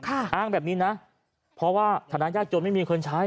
อ้างแบบนี้นะเพราะว่าฐานะยากจนไม่มีคนใช้